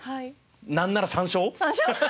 なんなら３勝。